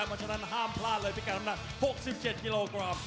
เพราะฉะนั้นห้ามพลาดเลยเพื่อการำนัด๔๗กิโลกรัม